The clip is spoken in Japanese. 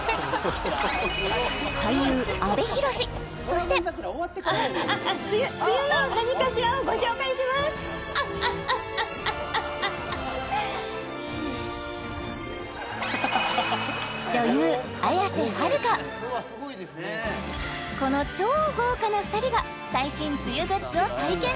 そしてこの超豪華な２人が最新梅雨グッズを体験